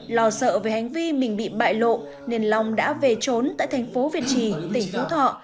lo sợ về hành vi mình bị bại lộ nên long đã về trốn tại thành phố việt trì tỉnh phú thọ